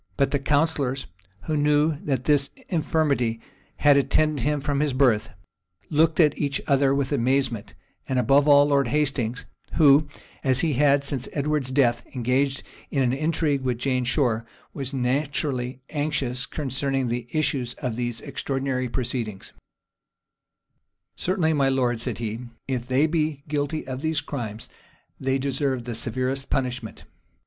But the counsellors, who knew that this infirmity had attended him from his birth, looked on each other with amazement; and, above all, Lord Hastings, who, as he had since Edward's death engaged in an intrigue with Jane Shore,[*] was naturally anxious concerning the issue of these extraordinary proceedings. * See note T, at the end of the volume. "Certainly, my lord," said he, "if they be guilty of these crimes, they deserve the severest punishment."